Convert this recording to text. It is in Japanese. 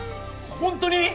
本当に！？